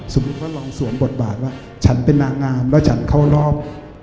สมมุติเขาลองสวมบทบาทว่าฉันเป็นนางงามแล้วฉันเข้ารอบ